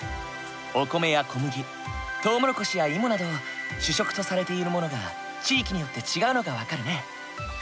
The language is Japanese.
お米や小麦トウモロコシや芋など主食とされているものが地域によって違うのが分かるね。